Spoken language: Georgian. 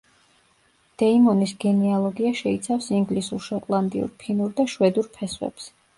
დეიმონის გენეალოგია შეიცავს ინგლისურ, შოტლანდიურ, ფინურ და შვედურ ფესვებს.